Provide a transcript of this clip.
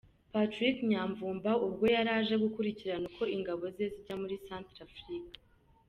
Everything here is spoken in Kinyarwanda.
Patrick Nyamvumba ubwo yari aje gukurikirana uko ingabo ze zijya muri Centrafrique.